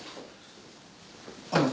あの。